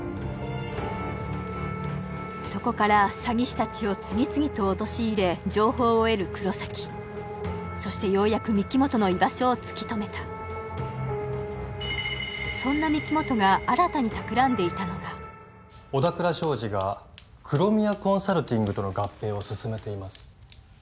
そこから詐欺師達を次々と陥れ情報を得る黒崎そしてようやく御木本の居場所を突き止めたそんな御木本が新たにたくらんでいたのが小田倉商事が黒宮コンサルティングとの合併を進めています